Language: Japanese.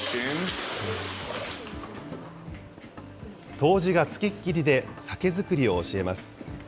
杜氏が付きっきりで酒造りを教えます。